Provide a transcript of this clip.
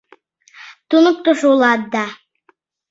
— Туныктышо улат да...